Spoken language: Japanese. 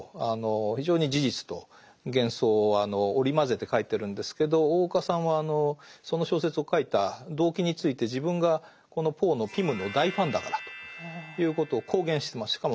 非常に事実と幻想を織り交ぜて書いてるんですけど大岡さんはその小説を書いた動機について自分がこのポーの「ピム」の大ファンだからということを公言してます。